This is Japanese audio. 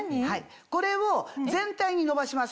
これを全体にのばします。